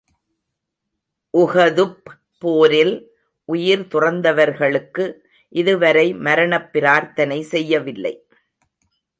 உஹதுப் போரில் உயிர் துறந்தவர்களுக்கு, இதுவரை மரணப் பிரார்த்தனை செய்யவில்லை.